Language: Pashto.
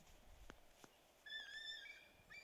يو ځايګى هم امن نه و.